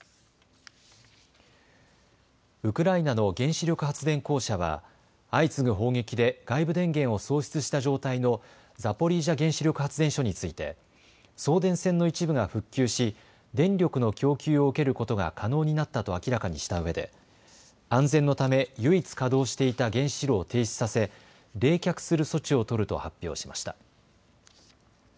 ウクライナの原子力発電公社は相次ぐ砲撃で外部電源を喪失した状態のザポリージャ原子力発電所について、送電線の一部が復旧し電力の供給を受けることが可能になったと明らかにしたうえで、安全のため唯一、稼働していた原子炉を停止させ冷却する措置を取ると発表しました。